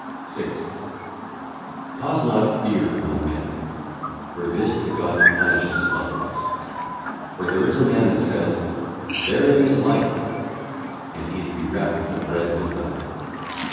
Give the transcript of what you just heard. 6. Cause not fear among men; for [this] the God punisheth likewise. For there is a man that saith, 'Therein is life'; and he is bereft of the bread of his mouth.